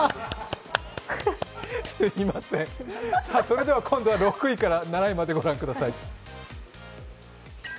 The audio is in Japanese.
それでは今度は６位から７位まで御覧ください。